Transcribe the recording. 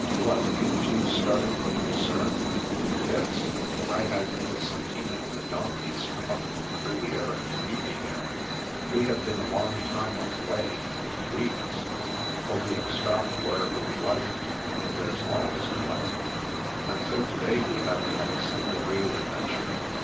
" What, you too started from Lucerne? "" Yes. I had Innocentina and the donkeys come up from the Riviera, to meet me there. We have been a long time on the way — ^weeks : for we have stopped wherever we liked, and as long as we liked. Until to day we haven't had a single real adventure.